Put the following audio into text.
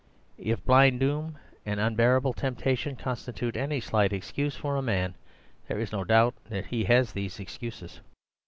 If blind doom and unbearable temptation constitute any slight excuse for a man, there is no doubt that he has these excuses.